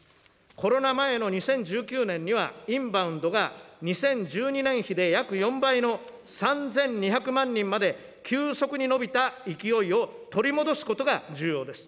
コロナ前の２０１９年には、インバウンドが２０１２年比で約４倍の３２００万人まで急速に伸びた勢いを取り戻すことが重要です。